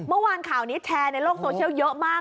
เมื่อวานข่าวนี้แชร์ในโลกโซเชียลเยอะมาก